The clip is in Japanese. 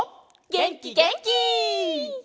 げんきげんき！